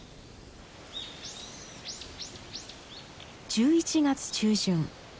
１１月中旬。